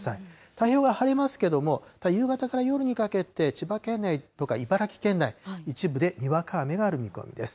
太平洋側、晴れますけれども、ただ、夕方から夜にかけて、千葉県内とか茨城県内、一部でにわか雨がある見込みです。